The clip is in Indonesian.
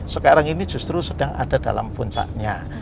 sekarang ini justru sedang ada dalam puncaknya